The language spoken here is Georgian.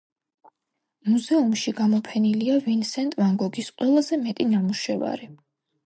მუზეუმში გამოფენილია ვინსენტ ვან გოგის ყველაზე მეტი ნამუშევარი.